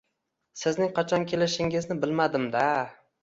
Sizning qachon kelishingizni bilmadim-da